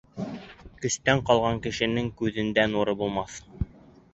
Көстән ҡалған кешенең күҙендә нуры булмаҫ.